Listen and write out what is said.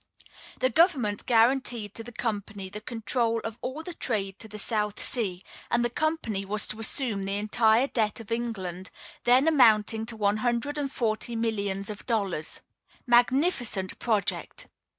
The government guaranteed to the company the control of all the trade to the South Sea, and the company was to assume the entire debt of England, then amounting to one hundred and forty millions of dollars. Magnificent project!